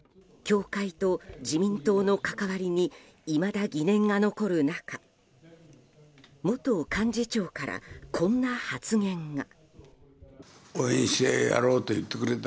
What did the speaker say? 教会と自民党の関わりにいまだ疑念が残る中元幹事長から、こんな発言が。